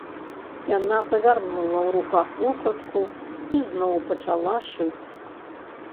Яна павярнула ў руках вопратку і зноў пачала шыць.